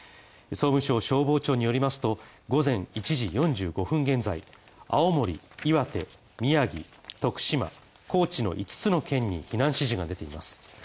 総務省、消防庁によりますと午前１時４５分現在、青森、岩手宮城、徳島、高知の五つの県に避難指示が出ています。